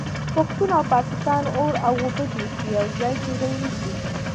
پښتون او پاکستان اور او اوبه دي چې یو ځای کیدای نشي